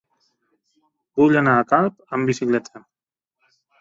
Vull anar a Calp amb bicicleta.